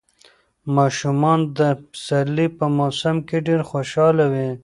ماشومان د پسرلي په موسم کې ډېر خوشاله وي.